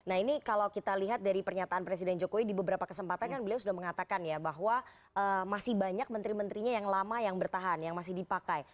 nah ini kalau kita lihat dari pernyataan presiden jokowi di beberapa kesempatan kan beliau sudah mengatakan ya bahwa masih banyak menteri menterinya yang lama yang bertahan yang masih dipakai